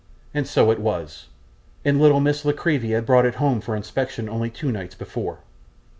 And so it was. And little Miss La Creevy had brought it home for inspection only two nights before.